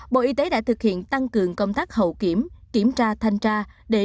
bộ y tế đã thực hiện tăng cường công tác hậu kiểm kiểm tra thanh tra để phát triển